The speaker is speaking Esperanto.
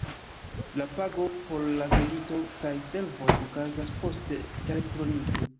La pago por la vizito kaj servoj okazas poste, elektronike.